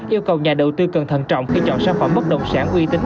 yêu cầu nhà đầu tư cẩn thận trọng khi chọn sản phẩm bất động sản uy tính